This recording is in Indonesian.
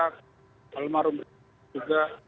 kita almarhum juga